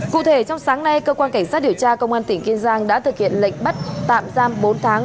cụ thể trong sáng nay cơ quan cảnh sát điều tra công an tỉnh kiên giang đã thực hiện lệnh bắt tạm giam bốn tháng